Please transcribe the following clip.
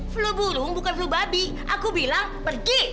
flu burung bukan flu babi aku bilang pergi